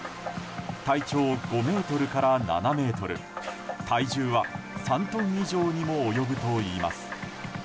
体長５ｍから７ｍ、体重は３トン以上にも及ぶといいます。